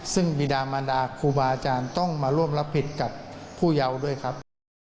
ซึ่งบีดามันดาครูบาอาจารย์ต้องมาร่วมรับผิดกับผู้เยาว์ด้วยครับ